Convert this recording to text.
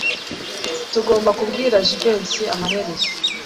Tugomba kubwira Jivency amaherezo.